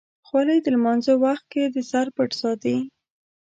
خولۍ د لمانځه وخت کې د سر پټ ساتي.